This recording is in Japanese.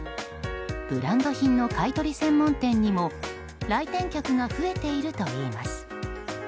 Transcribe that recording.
ブランド品の買い取り専門店にも来店客が増えているといいます。